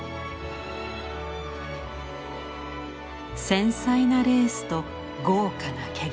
繊細なレースと豪華な毛皮。